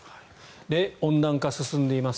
温暖化が進んでいます。